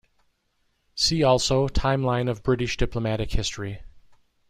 See also Timeline of British diplomatic history.